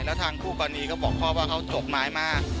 แล้วทางคู่กรณีก็บอกพ่อว่าเขาจดหมายมาก